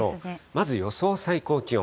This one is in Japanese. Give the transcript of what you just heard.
まず予想最高気温。